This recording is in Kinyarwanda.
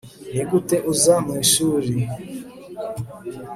nigute uza mwishuri